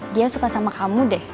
dia suka sama kamu deh